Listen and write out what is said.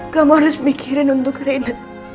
kamu harus mikirin untuk rina